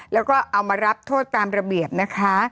แล้วก็เอามารับโทษตามระเบียบนะคะ